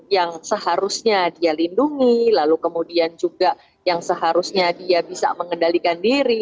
yang seharusnya dia lindungi lalu kemudian juga yang seharusnya dia bisa mengendalikan diri